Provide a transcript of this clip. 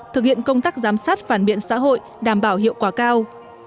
thực hiện công tác giám sát phản biện xã hội đảm bảo hiệu quả cao